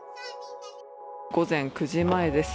午前９時前です。